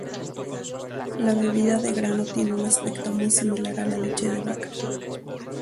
La bebida de grano tiene un aspecto muy similar a la leche de vaca.